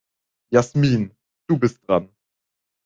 Jasmin, du bist dran.